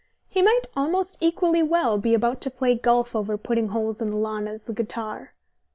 He might almost equally well be about to play golf over putting holes on the lawn as the guitar.